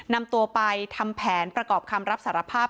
นำตัวไปทำแผนประกอบคำรับสารภาพ